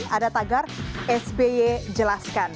ada tagar sby jelaskan